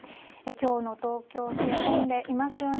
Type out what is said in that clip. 今日の東京、冷え込んでいます。